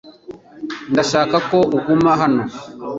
Ndashaka ko uguma hano .